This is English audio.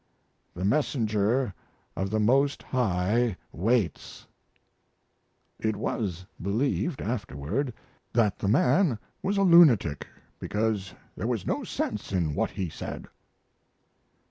the messenger of the Most High waits." ............... It was believed, afterward, that the man was a lunatic, because there was no sense in what he said.